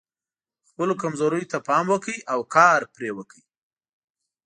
خپلو کمزوریو ته پام وکړئ او کار پرې وکړئ.